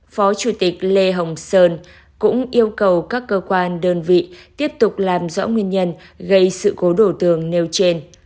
phó chủ tịch lê hồng sơn cũng yêu cầu các cơ quan đơn vị tiếp tục làm rõ nguyên nhân gây sự cố đổ tường nêu trên